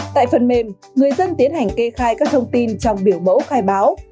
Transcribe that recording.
tại phần mềm người dân tiến hành kê khai các thông tin trong biểu mẫu khai báo